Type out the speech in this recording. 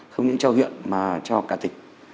không những cho huyện mà cho cả tịch